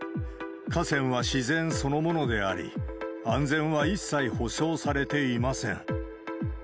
河川は自然そのものであり、安全は一切保証されていません。